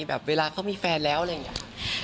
เวลาเขามีแฟนแล้วอะไรอย่างนี้